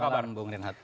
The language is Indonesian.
selamat malam bang renhat